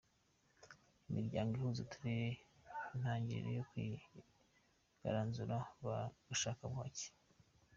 Imiryango ihuza uturere, intangiriro yo kwigaranzura ba gashakabuhake.